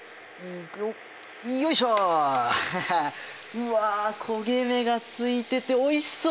うわ焦げ目がついてておいしそう！